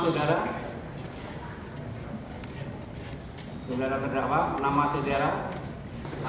saudara terdakwa nama saudara